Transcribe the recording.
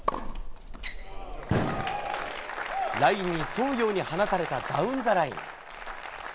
ラインに沿うように放たれたダウンザライン。